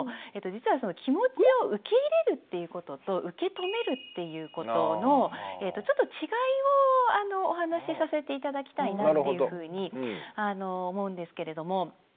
実は気持ちを受け入れるっていうことと受け止めるっていうことのちょっと違いをお話しさせて頂きたいなっていうふうに思うんですけれども。